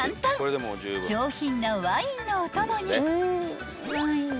［上品なワインのお供に］